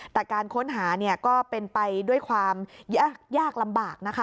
แต่การค้นหาก็เป็นไปด้วยความยากลำบาก